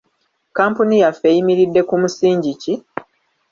Kampuni yaffe eyimiridde ku musingi ki?